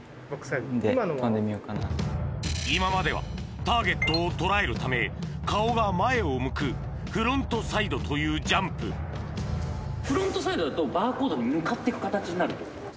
今まではターゲットを捉えるため顔が前を向くフロントサイドというジャンプフロントサイドだとバーコードに向かって行く形になるってこと？